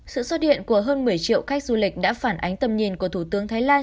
sự xuất hiện của hơn một mươi triệu khách du lịch đã phản ánh tâm nhìn của thủ tướng thái lan